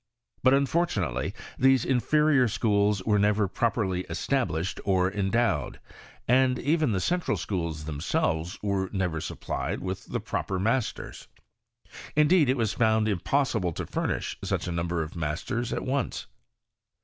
But unfortunately these inferior schools were never properly established or endowed; and even the central schools themselves were never supplied with [»roper masters. Indeed, it was found impossible to furnish such a number of masters at once.